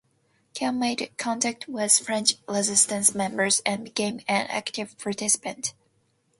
Keun made contact with French resistance members and became an active participant.